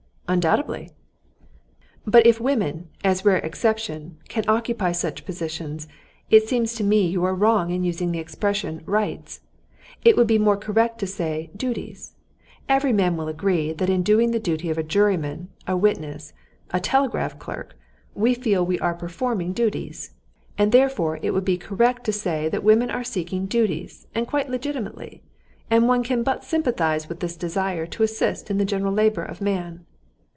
"Undoubtedly." "But if women, as a rare exception, can occupy such positions, it seems to me you are wrong in using the expression 'rights.' It would be more correct to say duties. Every man will agree that in doing the duty of a juryman, a witness, a telegraph clerk, we feel we are performing duties. And therefore it would be correct to say that women are seeking duties, and quite legitimately. And one can but sympathize with this desire to assist in the general labor of man."